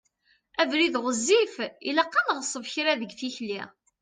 Abrid ɣezzif, ilaq ad neɣṣeb kra deg tikli.